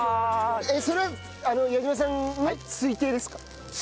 それは矢島さんの推定ですか？